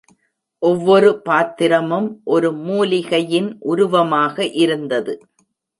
ஒவ்வொரு பாத்திரமும் ஒரு மூலிகையின் உருவமாக இருந்தது.